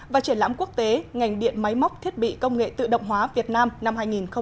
và triển lãm quốc tế ngành điện máy móc thiết bị công nghệ tự động hóa việt nam năm hai nghìn hai mươi